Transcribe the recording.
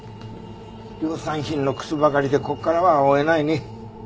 量産品の靴ばかりでここからは追えないね。